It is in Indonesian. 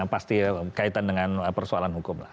pasti kaitan dengan persoalan hukum lah